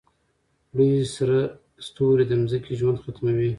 لوی سره ستوری د ځمکې ژوند ختموي.